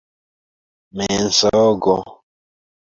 mensogo